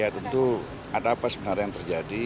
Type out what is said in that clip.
ya tentu ada apa sebenarnya yang terjadi